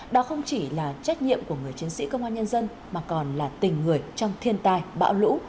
đó không chỉ là trách nhiệm của người chiến sĩ công an nhân dân mà còn là tình người trong thiên tai bão lũ